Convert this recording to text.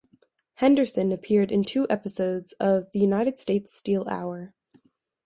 Henderson appeared in two episodes of "The United States Steel Hour".